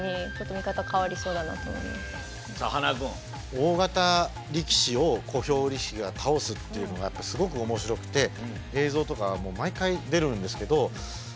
大型力士を小兵力士が倒すっていうのがやっぱすごく面白くて映像とか毎回出るんですけどハハハハ！